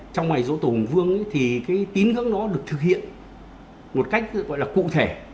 trong ngày rỗ tổ hùng vương thì tín ngưỡng đó được thực hiện một cách gọi là cụ thể